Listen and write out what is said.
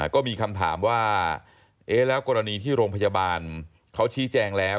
ก็มีคำถามว่าเอ๊ะแล้วกรณีที่โรงพยาบาลเขาชี้แจงแล้ว